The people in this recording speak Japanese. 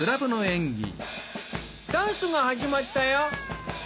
ダンスが始まったよ。